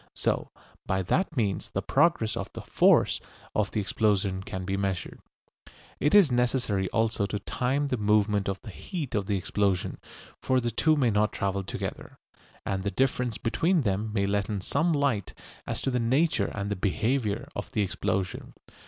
So by that means the progress of the "force" of the explosion can be measured. It is necessary also to time the movement of the "heat" of the explosion, for the two may not travel together, and the difference between them may let in some light as to the nature and behaviour of the explosion.